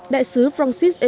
đại sứ francis efeduma